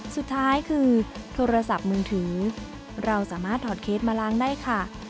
สุดท้ายคือโทรศัพท์มือถือเราสามารถถอดเคสมาล้างได้ค่ะ